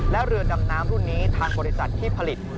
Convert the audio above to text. และเรือดำน้ำรุ่นนี้ทางบริษัทที่ผลิต